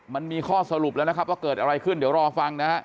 มันมีข้อสรุปแล้วนะครับว่าเกิดอะไรขึ้นเดี๋ยวรอฟังนะฮะ